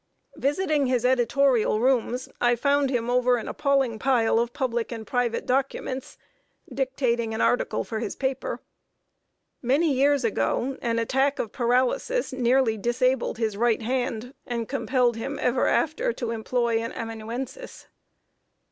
Visiting his editorial rooms, I found him over an appalling pile of public and private documents, dictating an article for his paper. Many years ago, an attack of paralysis nearly disabled his right hand, and compelled him ever after to employ an amanuensis.